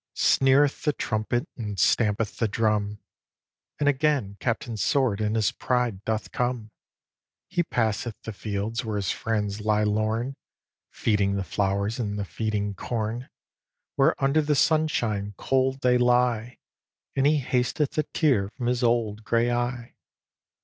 Sneereth the trumpet, and stampeth the drum, And again Captain Sword in his pride doth come; He passeth the fields where his friends lie lorn, Feeding the flowers and the feeding corn, Where under the sunshine cold they lie, And he hasteth a tear from his old grey eye.